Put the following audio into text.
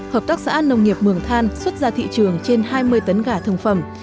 hợp tác xã nông nghiệp mường than xuất ra thị trường trên hai mươi tấn gà thường phẩm